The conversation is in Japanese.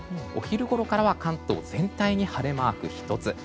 お昼ごろからは関東全体に晴れマーク１つ。